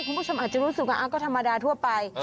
คุณผู้ชมอาจจะรู้สึกว่าก็ธรรมดาทั่วไป